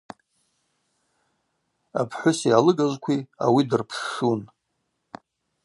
Апхӏвыси алыгажвкви ауи дырпшшун.